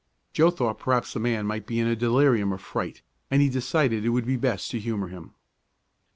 Joe thought perhaps the man might be in a delirium of fright, and he decided it would be best to humor him.